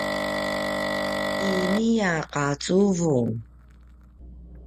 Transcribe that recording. inia qacuvung